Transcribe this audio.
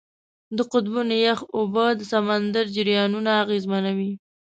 د قطبونو یخ اوبه د سمندر جریانونه اغېزمنوي.